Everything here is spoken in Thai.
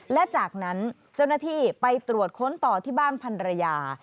และจากนั้นเจ้าหน้าที่ไปตรวจค้นต่อที่บ้านพันรยา